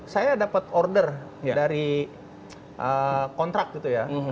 saya dapat order dari kontrak gitu ya